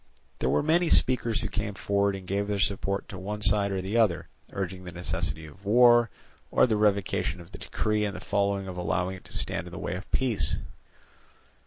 There were many speakers who came forward and gave their support to one side or the other, urging the necessity of war, or the revocation of the decree and the folly of allowing it to stand in the way of peace.